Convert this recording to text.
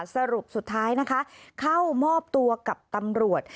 สรุปสุดท้ายนะคะเข้ามอบตัวกับตำรวจ